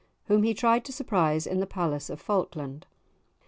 whom he tried to surprise in the palace of Falkland.